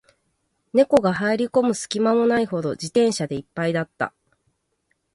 猫が入る込む隙間もないほど、自転車で一杯だった